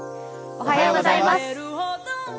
おはようございます。